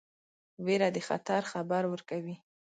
ویره د خطر خبر ورکوي.